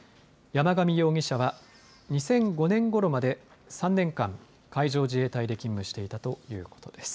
山上容疑者は２００５年ごろまで３年間、海上自衛隊で勤務していたということです。